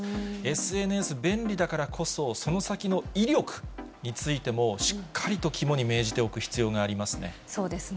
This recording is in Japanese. ＳＮＳ便利だからこそ、その先の威力についても、しっかりと肝に銘じておく必要がありますね。